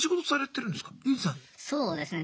そうですね。